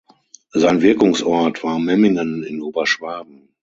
Sein Wirkungsort war Memmingen in Oberschwaben.